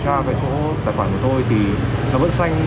tôi có vào kiểm tra cái chỗ tài khoản của tôi thì nó vẫn xanh